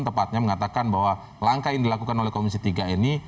tepatnya mengatakan bahwa langkah yang dilakukan oleh komisi tiga ini